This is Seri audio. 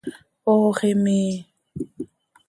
Ox imii.